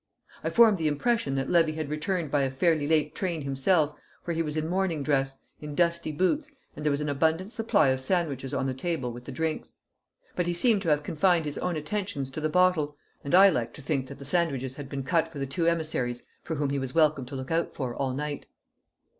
I formed the impression that Levy had returned by a fairly late train himself, for he was in morning dress, in dusty boots, and there was an abundant supply of sandwiches on the table with the drinks. But he seemed to have confined his own attentions to the bottle, and I liked to think that the sandwiches had been cut for the two emissaries for whom he was welcome to look out for all night.